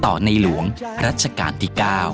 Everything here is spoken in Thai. ในหลวงรัชกาลที่๙